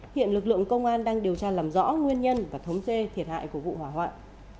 hiện lực lượng công an đang điều tra làm rõ nguyên nhân và thống kê thiệt hại của vụ hỏa hoạn